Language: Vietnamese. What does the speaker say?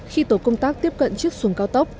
khi tổ công tác tiếp cận chiếc xuồng cao tốc